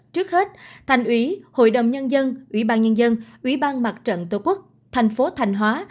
trước hết thành ủy hội đồng nhân dân ủy ban nhân dân ủy ban mặt trận tổ quốc thành phố thanh hóa